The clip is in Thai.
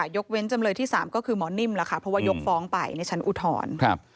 ยกเว้นจำเลยที่๓ก็คือหมอนิ่มเพราะว่ายกฟ้องไปในชั้นอุทร